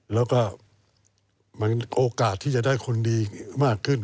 แล้วก็มันโอกาสที่จะได้คนดีมากขึ้น